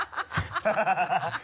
ハハハ